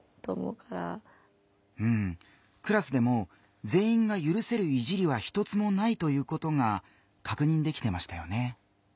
クラスでもぜんいんがゆるせる「いじり」は一つもないということがかくにんできてましたよね。